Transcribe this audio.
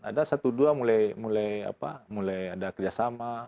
ada satu dua mulai ada kerjasama